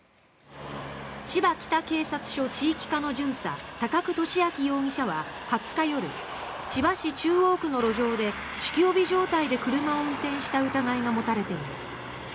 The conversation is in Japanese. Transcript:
千葉北警察署地域課の巡査高久利明容疑者は２０日夜千葉市中央区の路上で酒気帯び状態で車を運転した疑いが持たれています。